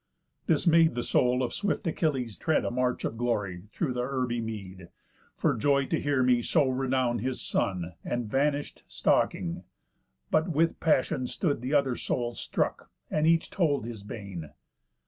'_ This made the soul of swift Achilles tread A march of glory through the herby mead, For joy to hear me so renown his son; And vanish'd stalking. But with passión Stood th' other souls struck, and each told his bane.